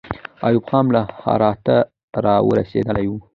ایوب خان له هراته را رسېدلی وو.